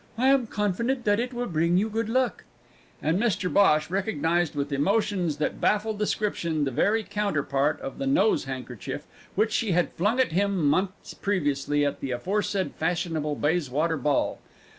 I am confident that it will bring you good luck." And Mr Bhosh recognised with emotions that baffle description the very counterpart of the nose handkerchief which she had flung at him months previously at the aforesaid fashionable Bayswater Ball!